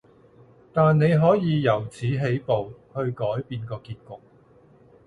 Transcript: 但你可以由此起步，去改變個結局